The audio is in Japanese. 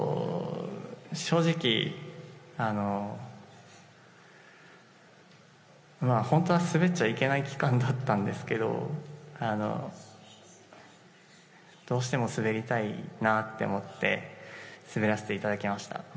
正直、本当は滑っちゃいけない期間だったんですけれども、どうしても滑りたいなって思って、滑らせていただきました。